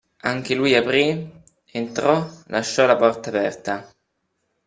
Anche lui aprí, entrò, lasciò la porta aperta.